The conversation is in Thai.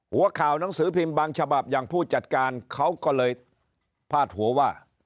หัวข่าวหนังสือพิมพ์บางฉบับอย่างผู้จัดการเขาก็เลยพาดหัวว่า